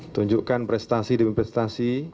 tunjukkan prestasi demi prestasi